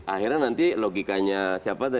akhirnya nanti logikanya siapa